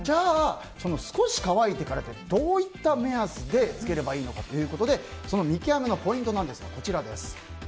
少し乾いてからというのはどういった目安でつければいいのかということでその見極めのポイントはこちら。